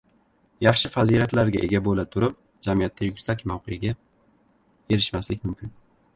Yaxshi fazilatlarga ega bo‘la turib, jamiyatda yuksak mavqega orishmaslik mumkin